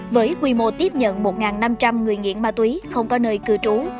với quy mô tiếp nhận một năm trăm linh người nghiện ma túy không có nơi cư trú